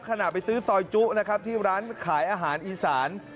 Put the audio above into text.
ขณะไปซื้อซอยจุนะครับที่ร้านขายอาหารอีสาน